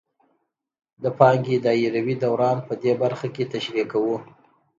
د پانګې دایروي دوران په دې برخه کې تشریح کوو